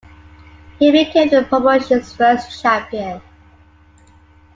He became the promotion's first champion.